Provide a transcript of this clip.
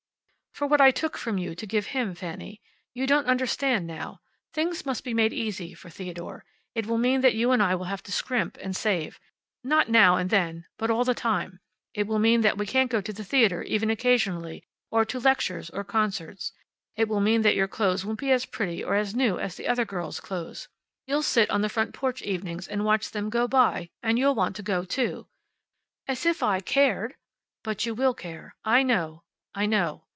"For what I took from you to give to him, Fanny. You don't understand now. Things must be made easy for Theodore. It will mean that you and I will have to scrimp and save. Not now and then, but all the time. It will mean that we can't go to the theater, even occasionally, or to lectures, or concerts. It will mean that your clothes won't be as pretty or as new as the other girls' clothes. You'll sit on the front porch evenings, and watch them go by, and you'll want to go too." "As if I cared." "But you will care. I know. I know.